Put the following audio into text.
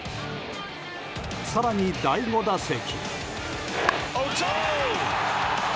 更に第５打席。